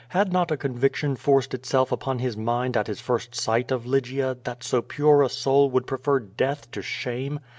Had not a conviction forced itself upon his mind at his first sight of Lygia that so pure a soul would prefer death to shame?